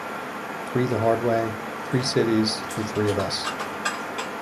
Three the hard way, three cities, the three of us.